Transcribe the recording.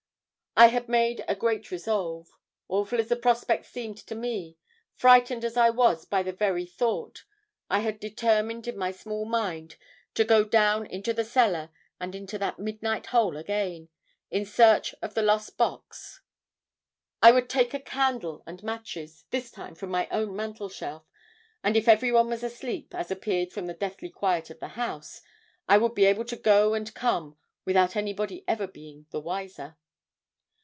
I had made a great resolve. Awful as the prospect seemed to me, frightened as I was by the very thought, I had determined in my small mind to go down into the cellar, and into that midnight hole again, in search of the lost box. I would take a candle and matches, this time from my own mantel shelf, and if everyone was asleep, as appeared from the deathly quiet of the house, I would be able to go and come without anybody ever being the wiser.